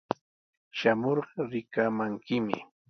Shamurqa rikamankimi.